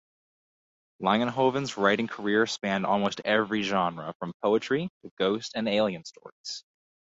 Langenhoven's writing career spanned almost every genre, from poetry to ghost and alien stories.